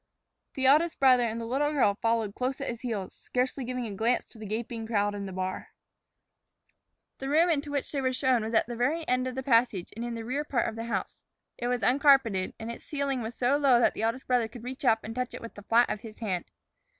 The eldest brother and the little girl followed close at his heels, scarcely giving a glance to the gaping crowd in the bar. The room into which they were shown was at the very end of the passage and in the rear part of the house. It was uncarpeted, and its ceiling was so low that the eldest brother could reach up and touch it with the flat of his hand.